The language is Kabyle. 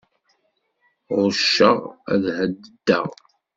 Ɣucceɣ ad ḥeddedeɣ.